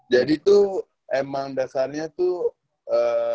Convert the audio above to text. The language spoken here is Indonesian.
jadi tuh emang dasarnya tuh